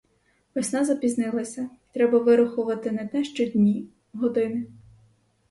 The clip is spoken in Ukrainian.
Весна запізнилася й треба вирахувати не то що дні — години.